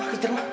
pak kejar mak